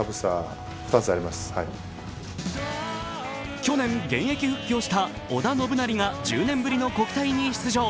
去年、現役復帰をした織田信成が１０年ぶりの国体に出場。